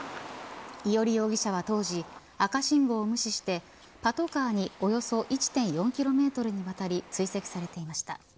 伊従容疑者は当時、赤信号を無視してパトカーにおよそ１．４ｋｍにわたり追跡されていました。